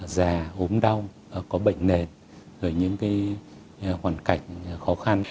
già ốm đau có bệnh nền rồi những cái hoàn cảnh khó khăn